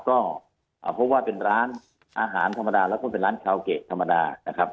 ก็เพราะว่าเป็นร้านอาหารธรรมดาแล้วก็เป็นร้านคาวเกะธรรมดานะครับ